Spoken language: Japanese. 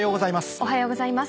おはようございます。